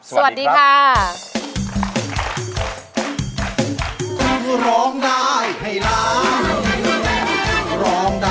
สวัสดีครับ